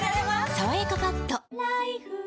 「さわやかパッド」